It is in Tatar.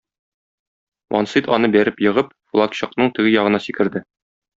Вансит аны бәреп егып, флагчыкның теге ягына сикерде.